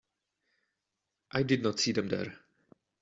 I did not see them there.